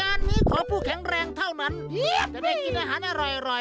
งานนี้ขอผู้แข็งแรงเท่านั้นจะได้กินอาหารอร่อย